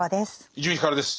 伊集院光です。